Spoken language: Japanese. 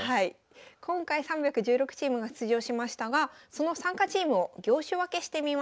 今回３１６チームが出場しましたがその参加チームを業種分けしてみました。